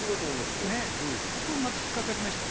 ここがまず引っかかりました。